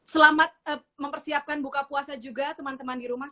selamat mempersiapkan buka puasa juga teman teman di rumah